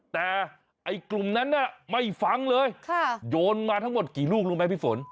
แต่ไอ้กลุ่มนั้นน่ะไม่ฟังเลยโยนมาทั้งหมดกี่ลูกรู้ไหมพี่ฝน